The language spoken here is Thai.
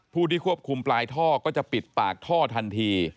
ผู้ที่ควบคุมปลายท่อก็จะปิดปากท่อทันที